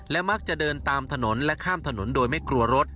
มักจะเดินตามถนนและข้ามถนนโดยไม่กลัวรถ